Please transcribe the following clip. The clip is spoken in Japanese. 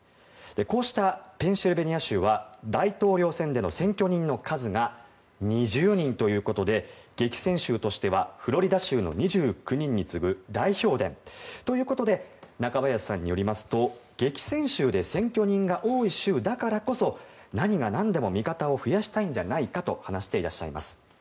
こうしたペンシルベニア州は大統領選での選挙人の数が２０人ということで激戦州としてはフロリダ州の２９人に次ぐ大票田ということで中林さんによりますと、激戦州で選挙人が多い州だからこそ何が何でも味方を増やしたいんじゃないかと話していらっしゃいます。